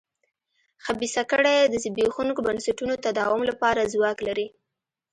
خبیثه کړۍ د زبېښونکو بنسټونو تداوم لپاره ځواک لري.